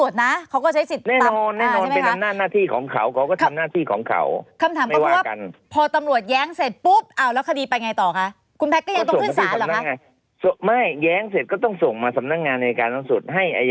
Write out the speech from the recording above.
อย่างงี้ปะครับร้อยเปอร์เซ็นต์